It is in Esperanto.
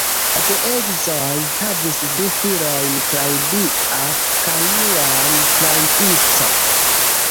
La geedzoj havis du filojn, Claudia kaj Juan Francisco.